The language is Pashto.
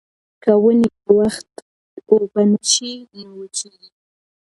که ونې په وخت اوبه نه شي نو وچېږي.